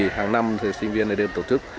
hàng năm thì sinh viên này đến tổ chức